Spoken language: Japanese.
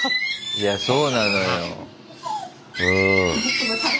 いやそうなのよ。